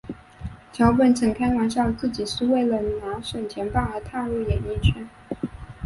桥本曾开玩笑自己是为了拿省饭钱而踏入演艺圈的。